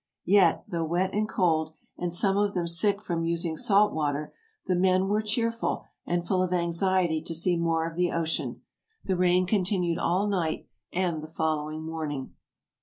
Yet, though wet and cold, and some of them sick from using salt water, the men were cheerful and full of anxiety to see more of the ocean. The rain continued all night and the following morning.